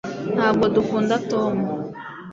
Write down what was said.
ntabwo dukunda tom